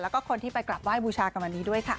แล้วก็คนที่ไปกลับไห้บูชากันวันนี้ด้วยค่ะ